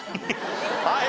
はい。